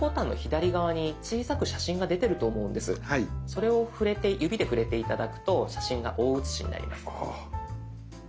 それを指で触れて頂くと写真が大写しになります。